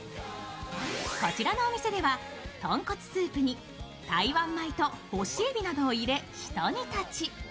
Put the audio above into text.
こちらのお店では豚骨スープに台湾米と干しえびを入れ一煮立ち。